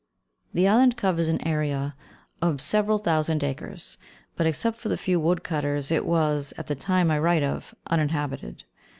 The island covers an area of several thousand acres, but except for the few wood cutters it was, at the time I write of, uninhabited.